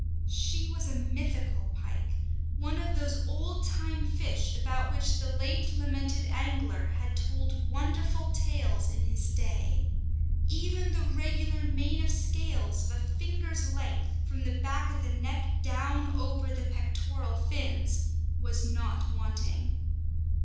She was a mythical pike, one of those old time fish about which the late lamented angler had told wonderful tales in his day. Even the regular mane of scales of a finger's length, from the back of the neck down over the pectoral fins, was not wanting.